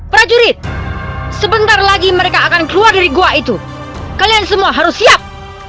prajurit sebentar lagi mereka akan keluar dari gua itu kalian semua harus siap